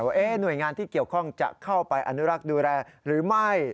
ว่าหน่วยงานที่เกี่ยวข้องจะเข้าไปอนุรักษ์ดูแลหรือไม่